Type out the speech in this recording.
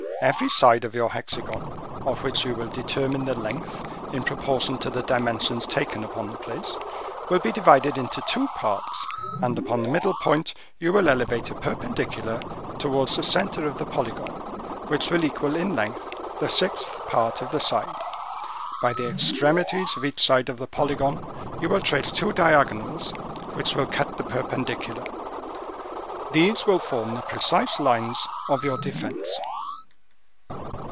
Every side of your hexagon, of which you will determine the length in proportion to the dimensions taken upon the place, will be divided into two parts, and upon the middle point you will elevate a perpendicular towards the center of the polygon, which will equal in length the sixth part of the side. By the extremities of each side of the polygon, you will trace two diagonals, which will cut the perpendicular. These will form the precise lines of your defense."